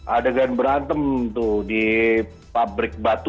adegan berantem tuh di pabrik batu